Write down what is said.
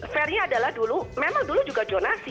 fairnya adalah dulu memang dulu juga jonasi